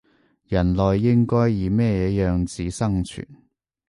人類應該以乜嘢樣子生存